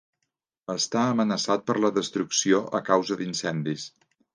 Està amenaçat per la destrucció a causa d'incendis.